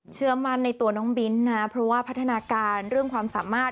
เชื่อมั่นในตัวน้องบิ้นนะเพราะว่าพัฒนาการเรื่องความสามารถ